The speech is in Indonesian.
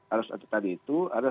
harus ada tadi itu